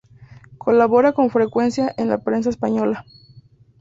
Colabora con frecuencia en la prensa española.